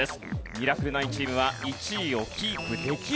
ミラクル９チームは１位をキープできるんでしょうか？